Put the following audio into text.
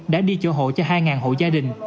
đã đi chỗ hộ cho hai hộ gia đình